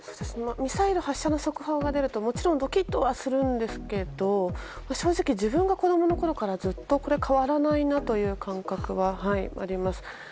ミサイル発射の速報が出るともちろんドキッとはするんですが正直、自分が子供のころからずっと変わらないなという感覚があります。